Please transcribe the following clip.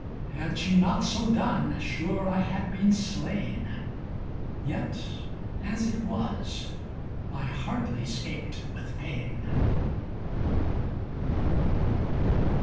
Had she not so done, sure I had been slain, Yet as it was, I hardly 'scaped with pain.